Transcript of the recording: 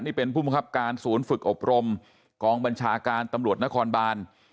นี่เป็นผู้บังคับการศูนย์ฝึกอบรมกองบัญชาการตำรวจนครบาน